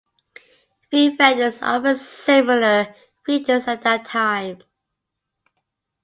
Few vendors offered similar features at that time.